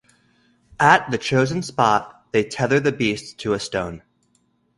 At the chosen spot, they tether the beast to a stone.